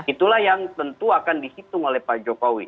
itulah yang tentu akan dihitung oleh pak jokowi